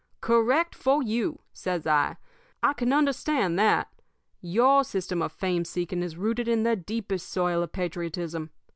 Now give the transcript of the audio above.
"'Correct for you!' says I. 'I can understand that. Your system of fame seeking is rooted in the deepest soil of patriotism.